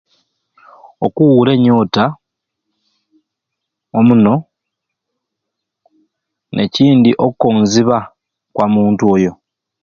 Okuura enyoota, omuno, n'ekindi okkonziba, kwa munt'oyo.